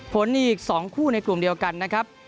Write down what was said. ผลอีก๒คู่ในกลุ่มเดียวกันนะครับ